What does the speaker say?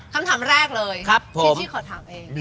คำถามแรกเลยพิชชี่ขอถามเอง